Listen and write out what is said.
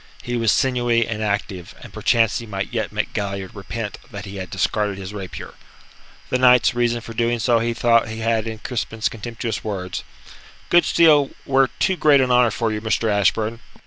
He was sinewy and active, and perchance he might yet make Galliard repent that he had discarded his rapier. The knight's reason for doing so he thought he had in Crispin's contemptuous words: "Good steel were too great an honour for you, Mr. Ashburn."